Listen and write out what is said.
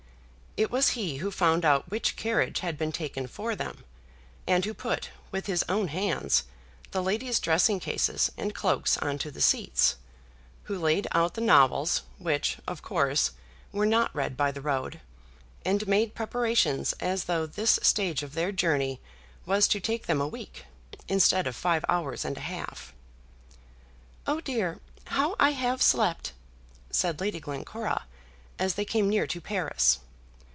It was he who found out which carriage had been taken for them, and who put, with his own hands, the ladies' dressing cases and cloaks on to the seats, who laid out the novels, which, of course, were not read by the road, and made preparations as though this stage of their journey was to take them a week, instead of five hours and a half. "Oh, dear! how I have slept!" said Lady Glencora, as they came near to Paris.